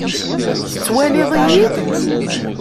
Tettwaliḍ-iyi-d?